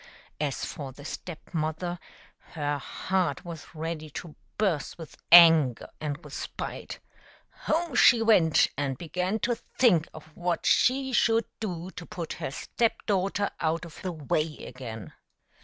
As for the Step mother, her heart was ready to burst with anger and with spite. Home she went and began to think of what she should do to put her step daughter out of the way again.